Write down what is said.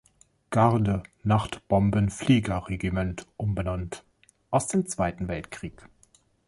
Garde-Nachtbombenfliegerregiment umbenannt, aus dem Zweiten Weltkrieg.